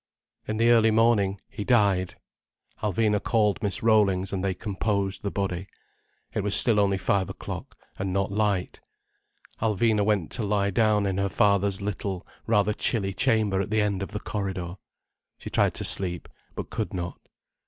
In the early morning he died. Alvina called Mrs. Rollings, and they composed the body. It was still only five o'clock, and not light. Alvina went to lie down in her father's little, rather chilly chamber at the end of the corridor. She tried to sleep, but could not.